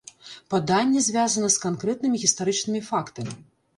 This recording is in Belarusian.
Паданне звязана з канкрэтнымі гістарычнымі фактамі.